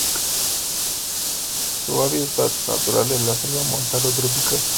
Su hábitat natural es la selva montano tropical.